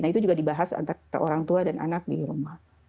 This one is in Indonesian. nah itu juga dibahas antara orang tua dan anak di rumah